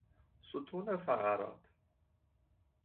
ستون فقرات